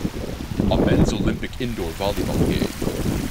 A men 's Olympic indoor volleyball game